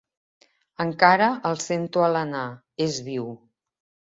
Encara el sento alenar: és viu.